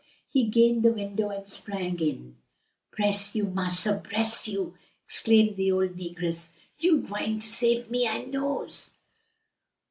He gained the window and sprang in. "Bress you, massa! bress you!" exclaimed the old negress, "you's gwine to save me I knows."